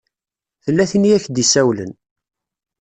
Tella tin i ak-d-isawlen.